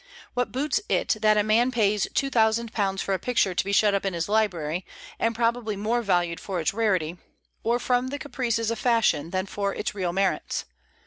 What boots it that a man pays two thousand pounds for a picture to be shut up in his library, and probably more valued for its rarity, or from the caprices of fashion, than for its real merits?